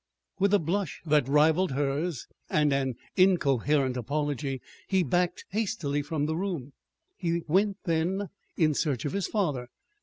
With a blush that rivaled hers, and an incoherent apology, he backed hastily from the room. He went then in search of his father.